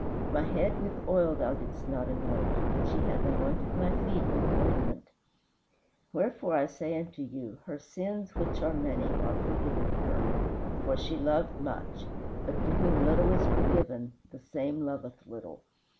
My head with oil thou didst not anoint, but she hath anointed my feet with ointment. Wherefore, I say unto you, her sins, which are many, are forgiven her, for she loved much; but to whom little is forgiven the same loveth little.